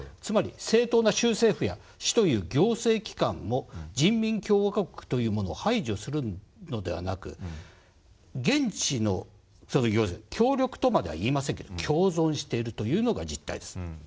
つまり正当な州政府や市という行政機関も人民共和国というものを排除するのではなく現地の協力とまでは言いませんけど共存しているというのが実態です。